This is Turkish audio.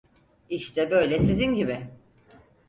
İşte böyle sizin gibi!